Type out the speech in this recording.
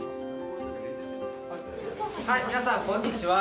はい皆さんこんにちは。